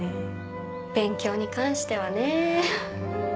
勉強に関してはね。